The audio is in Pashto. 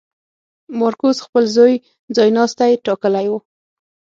مارکوس خپل زوی ځایناستی ټاکلی و.